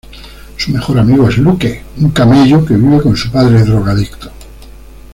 Su mejor amigo es Luke, un camello que vive con su padre drogadicto.